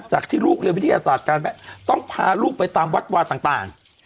จากที่ลูกเรียนวิทยาศาสตร์การแพทย์ต้องพาลูกไปตามวัดวาต่าง